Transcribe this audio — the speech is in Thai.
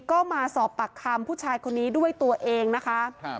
ก็มาสอบปากคำผู้ชายคนนี้ด้วยตัวเองนะคะ